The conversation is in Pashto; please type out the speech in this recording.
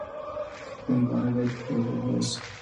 خو پانګونه باید په پوره پوهه وشي.